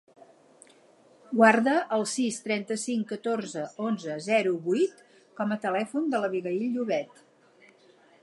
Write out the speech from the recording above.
Guarda el sis, trenta-cinc, catorze, onze, zero, vuit com a telèfon de l'Abigaïl Llobet.